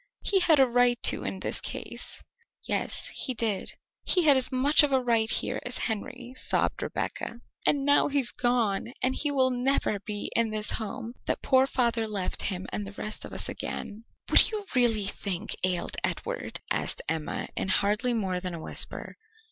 "He had a right to in this case." "Yes, he did." "He had as much of a right here as Henry," sobbed Rebecca, "and now he's gone, and he will never be in this home that poor father left him and the rest of us again." "What do you really think ailed Edward?" asked Emma in hardly more than a whisper.